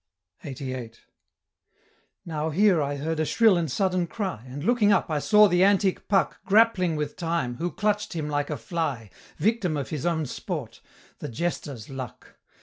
LXXXVIII. Now here I heard a shrill and sudden cry, And, looking up, I saw the antic Puck Grappling with Time, who clutch'd him like a fly, Victim of his own sport, the jester's luck!